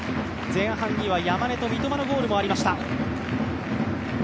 前半には山根と三笘のゴールもありました。